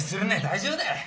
大丈夫だ。